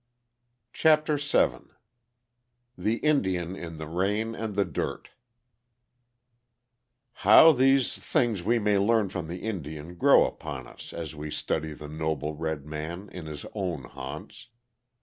CHAPTER VII THE INDIAN IN THE RAIN AND THE DIRT How these "things we may learn from the Indian" grow upon us, as we study the "noble red man" in his own haunts.